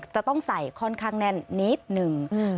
จะต้องใส่ค่อนข้างแน่นนิดนึง